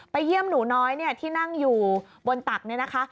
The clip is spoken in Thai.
เยี่ยมหนูน้อยที่นั่งอยู่บนตักเนี่ยนะคะ